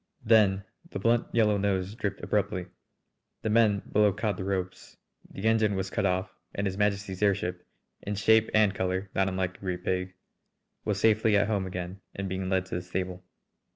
Then the blunt yellow nose dipped abruptly. The men below caught the ropes, the engine was cut off, and His Majesty's airship, in shape and colour not unlike a great pig, was safely at home again and being led to the stable.